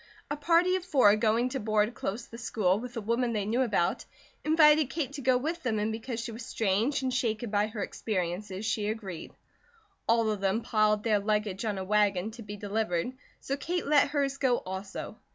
A party of four, going to board close the school, with a woman they knew about, invited Kate to go with them and because she was strange and shaken by her experiences she agreed. All of them piled their luggage on a wagon to be delivered, so Kate let hers go also.